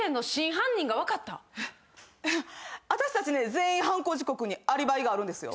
全員犯行時刻にアリバイがあるんですよ。